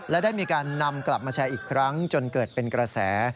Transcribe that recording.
และได้มีการนำกลับมาแชร์อีกครั้งจนเกิดเป็นกระแส